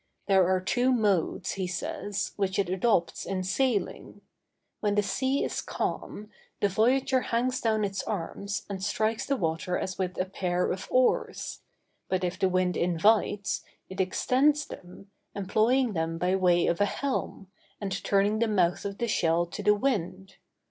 There are two modes, he says, which it adopts in sailing; when the sea is calm, the voyager hangs down its arms, and strikes the water as with a pair of oars; but if the wind invites, it extends them, employing them by way of a helm, and turning the mouth of the shell to the wind.